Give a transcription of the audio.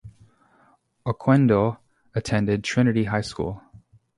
Oquendo attended Trinity High School.